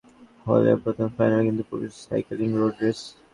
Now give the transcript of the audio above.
প্রথম পদকের নিষ্পত্তি শুটিংয়ে হলেও প্রথম ফাইনাল কিন্তু পুরুষ সাইক্লিংয়ের রোড রেস।